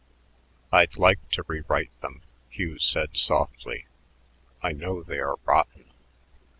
"I'd like to rewrite them," Hugh said softly. "I know they are rotten."